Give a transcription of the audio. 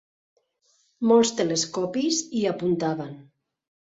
Molts telescopis hi apuntaven.